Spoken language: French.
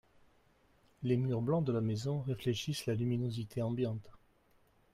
Les murs blancs de la maison réfléchissent la luminosité ambiante